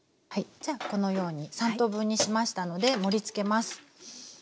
じゃあこのように３等分にしましたので盛りつけます。